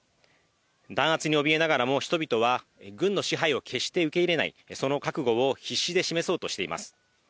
弾圧におびえながらも人々は軍の支配を決して受け入れない、その覚悟を必死で示そうとしています。